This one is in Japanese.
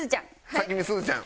先にすずちゃん。